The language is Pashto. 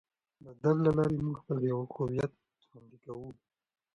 د ادب له لارې موږ خپل هویت خوندي کوو.